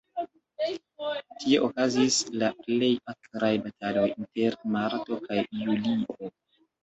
Tie okazis la plej akraj bataloj, inter marto kaj julio.